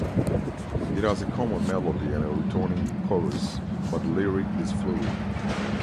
It has a common melody and a returning chorus, but the lyric is fluid.